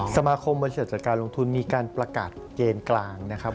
สมาคมบริษัทจัดการลงทุนมีการประกาศเกณฑ์กลางนะครับ